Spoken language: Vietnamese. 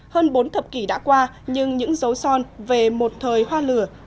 hơn bốn thập kỷ đã qua nhưng những dấu son về một thời hoa lửa